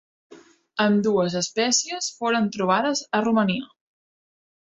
Ambdues espècies foren trobades a Romania.